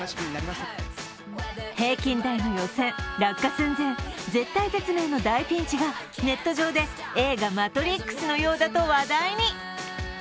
平均台の予選、落下寸前、絶体絶命の大ピンチがネット上で映画「マトリックス」のようだと話題に。